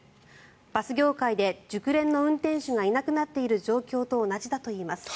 バス業界で熟練の運転手がいなくなっている状況と同じだといいます。